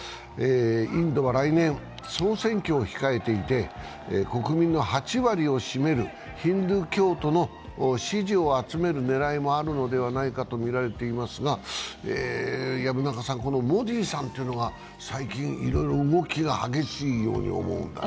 インドは来年、総選挙を控えていて国民の８割を占めるヒンドゥー教徒の支持を集める狙いもあるとみられていますがこのモディさんが最近、動きが激しいようですが。